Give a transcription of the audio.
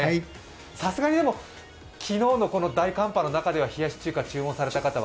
さすがに昨日のこの大寒波の中では冷やし中華注文した方は？